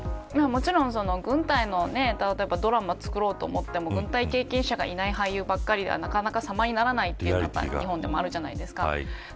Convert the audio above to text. もちろん、軍隊のドラマを作ろうと思っても軍隊経験者がいない俳優だとなかなか様にならないというのが日本でもあるじゃないですか。